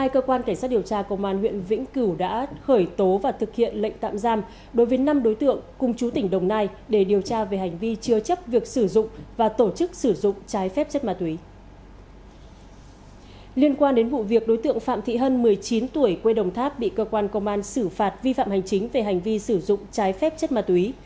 cơ quan cảnh sát điều tra công an huyện vĩnh cửu đã khởi tố và thực hiện lệnh tạm giam đối với năm đối tượng cùng chú tỉnh đồng nai để điều tra về hành vi chưa chấp việc sử dụng và tổ chức sử dụng trái phép chất ma túy